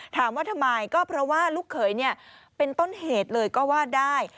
ถามว่าทำไมก็เพราะว่าลูกเขยเป็นต้นเหตุเลยก็ว่าได้